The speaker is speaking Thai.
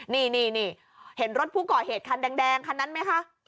นี่เห็นรถผู้ก่อเหตุคันแดงคันนั้นไหมคะ